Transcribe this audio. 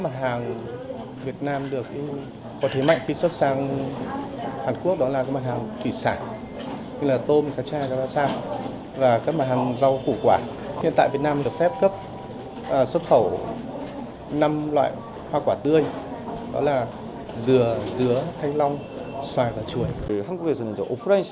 trong đó riêng mặt hàng nông sản thực phẩm kim ngạch xuất khẩu năm loại hoa quả tươi đó là dừa dứa thanh long xoài và chuối